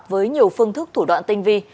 với nhiều phương thức thủ đoạn tinh vi